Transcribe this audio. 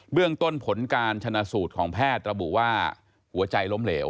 เรื่องต้นผลการชนะสูตรของแพทย์ระบุว่าหัวใจล้มเหลว